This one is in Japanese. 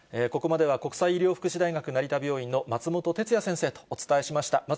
ここまでは国際医療福祉大学成田病院の松本哲哉先生とお伝えしました。